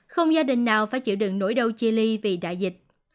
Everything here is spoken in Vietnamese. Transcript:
không gia đình nào phải chịu đựng nỗi đau chia ly vì đại dịch